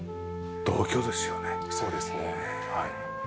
そうですねはい。